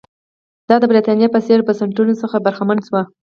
دا د برېټانیا په څېر بنسټونو څخه برخمنه شوه.